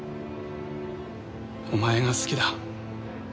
お前が好きだ。